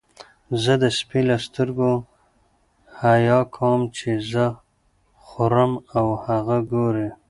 زه د سپي له سترګو حیا کوم چې زه خورم او هغه ګوري.